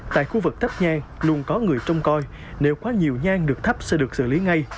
tại khu vực tấp nhang luôn có người trông coi nếu có nhiều nhang được thắp sẽ được xử lý ngay